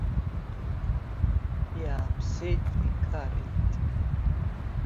Иааԥсеит-икареит.